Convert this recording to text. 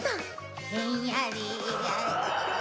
ひんやり。